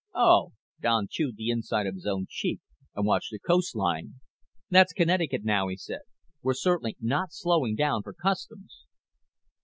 "Oh." Don chewed the inside of his own cheek and watched the coastline. "That's Connecticut now," he said. "We're certainly not slowing down for customs."